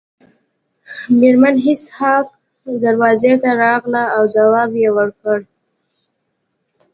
میرمن هیج هاګ دروازې ته راغله او ځواب یې ورکړ